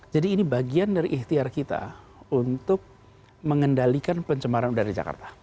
jadi ini bagian dari ikhtiar kita untuk mengendalikan pencemaran udara di jakarta